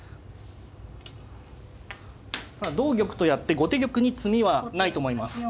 さあ同玉とやって後手玉に詰みはないと思います。